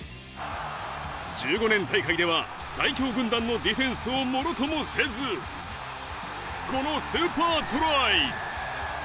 １５年大会では最強軍団のディフェンスをもろともせず、このスーパートライ！